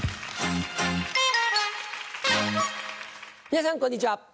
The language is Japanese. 皆さんこんにちは。